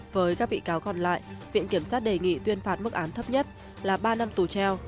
với các bị cáo còn lại viện kiểm sát đề nghị tuyên phạt mức án thấp nhất là ba năm tù treo